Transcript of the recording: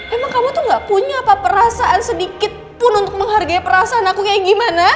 emang kamu tuh gak punya apa perasaan sedikit pun untuk menghargai perasaan aku kayak gimana